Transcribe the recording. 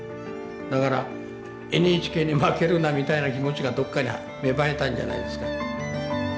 だからＮＨＫに負けるなみたいな気持ちがどっかに芽生えたんじゃないですか。